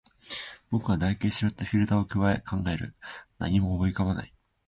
僕は唾液で湿ったフィルターを咥え、考える。何も思い浮かばない。